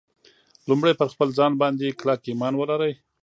لومړی پر خپل ځان باندې کلک ایمان ولرئ